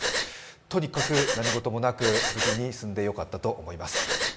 とにかく何事もなく無事に済んでよかったと思います。